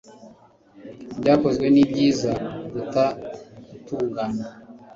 Byakozwe ni byiza kuruta gutungana.”